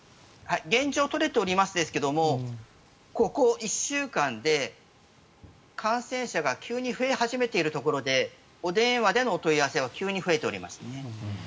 現状取れておりますがここ１週間で感染者が急に増え始めているところでお電話での問い合わせは急に増えております。